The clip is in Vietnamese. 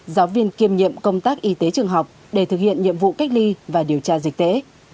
giáo viên kiêm nhiệm công tác y tế trường học để thực hiện nhiệm vụ cách ly và điều tra dịch tễ